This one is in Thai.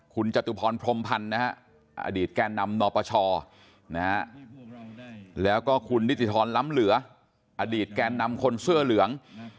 คุณจตุพรพรมพันธ์นะฮะอดีตแก่นำนปชแล้วก็คุณนิติธรรมล้ำเหลืออดีตแกนนำคนเสื้อเหลือง